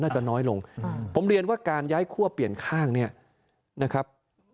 จะน้อยลงผมเรียนว่าการย้ายคั่วเปลี่ยนข้างเนี่ยนะครับ